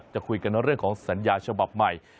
จะคุยกันเรื่องของสัญญาฉบับใหม่